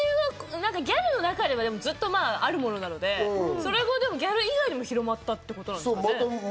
ギャルの中にはずっとあるものなので、ギャル以外にも広まったってことですかね？